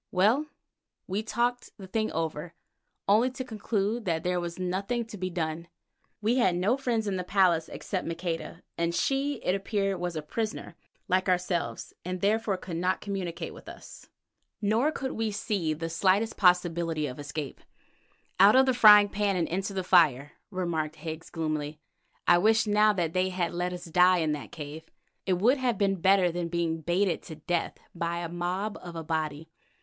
Well, we talked the thing over, only to conclude that there was nothing to be done. We had no friend in the place except Maqueda, and she, it appeared, was a prisoner like ourselves, and therefore could not communicate with us. Nor could we see the slightest possibility of escape. "Out of the frying pan into the fire," remarked Higgs gloomily. "I wish now that they had let us die in the cave. It would have been better than being baited to death by a mob of Abati."